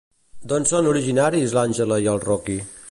D'on són originaris l'Angela i el Rocky?